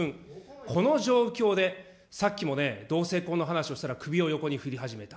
この状況で、さっきもね、同性婚の話をしたら首を横に振り始めた。